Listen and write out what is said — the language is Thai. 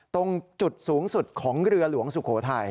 ตรงจุดสูงสุดของเรือหลวงสุโขทัย